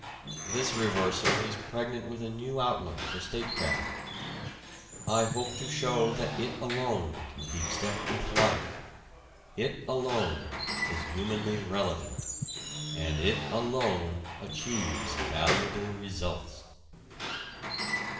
This reversal is pregnant with a new outlook for statecraft. I hope to show that it alone can keep step with life; it alone is humanly relevant; and it alone achieves valuable results.